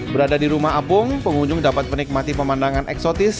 berada di rumah apung pengunjung dapat menikmati pemandangan eksotis